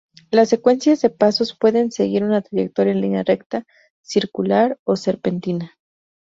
Las secuencias de pasos pueden seguir una trayectoria en línea recta, circular, o serpentina.